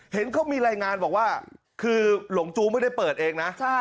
เห็นเขามีรายงานบอกว่าคือหลงจู้ไม่ได้เปิดเองนะ